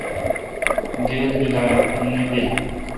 گیل لا نہ بیل۔